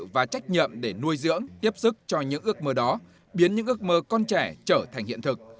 và trách nhậm để nuôi dưỡng tiếp sức cho những ước mơ đó biến những ước mơ con trẻ trở thành hiện thực